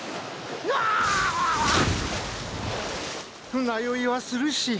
船酔いはするし。